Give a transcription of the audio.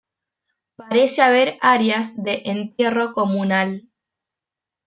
Parece haber áreas de entierro comunal.